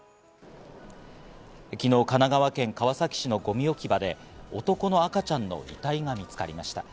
昨日、神奈川県川崎市のゴミ置き場で男の赤ちゃんの遺体が見つかりました。